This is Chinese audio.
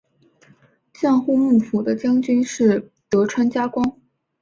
江户幕府的将军是德川家光。